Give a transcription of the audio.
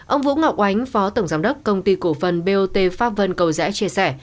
ông vũ ngọc ánh phó tổng giám đốc công ty cổ phần bot pháp vân cầu rẽ chia sẻ